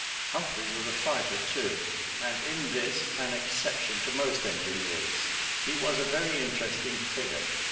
Humphreys was a fighter, too, and in this an exception to most engineers. He was a very interesting figure.